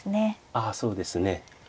ああそうですね。